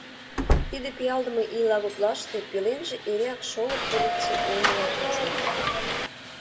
Тиде пиалдыме ийла гутлаште пеленже эреак шолып полиций улмыла чучын.